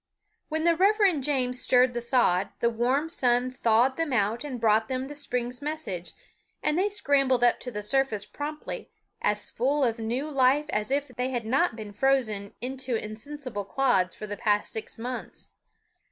When the Reverend James stirred the sod, the warm sun thawed them out and brought them the spring's message, and they scrambled up to the surface promptly, as full of new life as if they had not been frozen into insensible clods for the past six months.